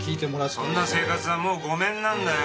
そんな生活はもうごめんなんだよ！